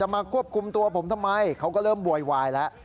มาควบคุมตัวผมทำไมเขาก็เริ่มโวยวายแล้ว